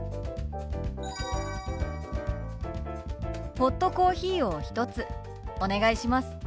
ホットコーヒーを１つお願いします。